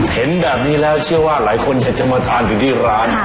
เห็นแบบนี้แล้วเชื่อว่าหลายคนอยากจะมาทานถึงที่ร้าน